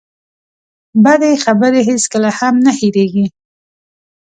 بدې خبرې هېڅکله هم نه هېرېږي.